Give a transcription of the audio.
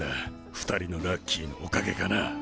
２人のラッキーのおかげかな。